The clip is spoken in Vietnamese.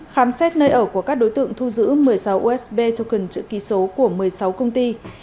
khám xét nơi ở của các đối tượng thu giữ một mươi sáu usb token chữ ký số của một mươi sáu công ty